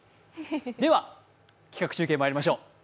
では、企画中継まいりましょう。